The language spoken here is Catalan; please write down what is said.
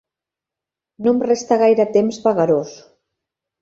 No em resta gaire temps vagarós.